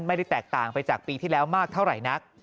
ไม่ได้แตกต่างไปจากปีที่แล้วมากเท่าไหร่นัก